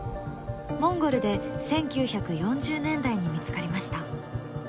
モンゴルで１９４０年代に見つかりました。